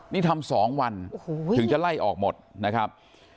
นี่ทำ๒วันถึงจะไล่ออกหมดนะครับ